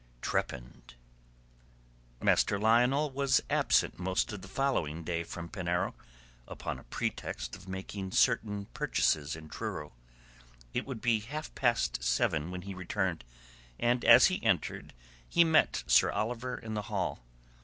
TREPANNED Master Lionel was absent most of the following day from Penarrow, upon a pretext of making certain purchases in Truro. It would be half past seven when he returned; and as he entered he met Sir Oliver in the hall.